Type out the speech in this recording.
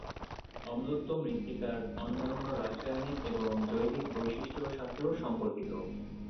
অম্লত্ব মৃত্তিকার অন্যান্য রাসায়নিক এবং জৈবিক বৈশিষ্ট্যের সাথেও সম্পর্কিত।